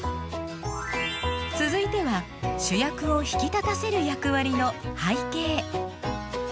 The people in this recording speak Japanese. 続いては主役を引き立たせる役割の「背景」。